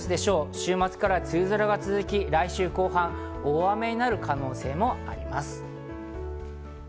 週末から梅雨空が続き、来週後半、大雨になる可能性もあります。